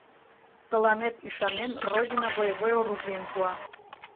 Тыланет, ӱшанен, Родина боевой оружийым пуа.